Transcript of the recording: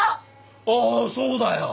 ああそうだよ！